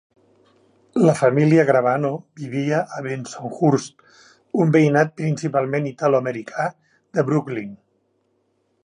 La família Gravano vivia a Bensonhurst, un veïnat principalment italoamericà de Brooklyn.